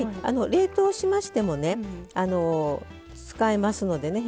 冷凍しましても使えますのでね。